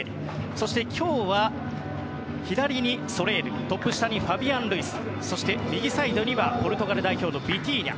そして今日は、左にソレールトップ下にファビアン・ルイスそして、右サイドにポルトガル代表ビティーニャ。